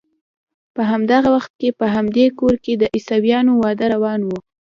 په همدغه وخت کې په همدې کور کې د عیسویانو واده روان و.